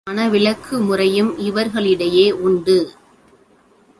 மணவிலக்கு முறையும் இவர்களிடையே உண்டு.